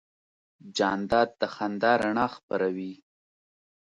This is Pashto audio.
جانداد د خندا رڼا خپروي.